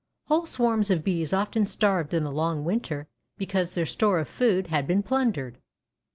Whole swarms of bees often starved in the long winter because their store of food had been plundered.